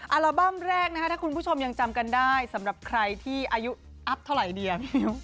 อัลบั้มแรกนะคะถ้าคุณผู้ชมยังจำกันได้สำหรับใครที่อายุอัพเท่าไหร่ดี